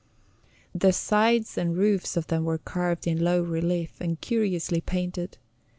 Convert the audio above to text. The sides and roofs of them were carved in low relief, and curiously painted.